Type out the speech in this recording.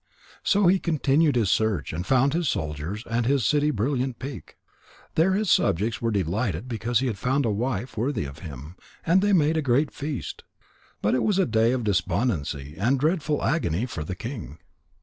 So he continued his search, and found his soldiers and his city Brilliant peak. There his subjects were delighted because he had found a wife worthy of him, and they made a great feast. But it was a day of despondency and dreadful agony for the king.